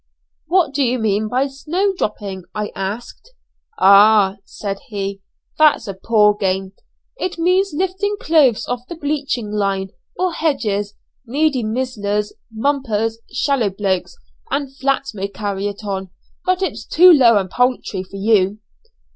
"What do you mean by 'snow dropping?'" I asked. "Oh!" said he, "that's a poor game. It means lifting clothes off the bleaching line, or hedges. Needy mizzlers, mumpers, shallow blokes, and flats may carry it on, but it's too low and paltry for you."